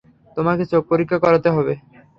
তোমাকে চোখ পরীক্ষা করাতে হবে।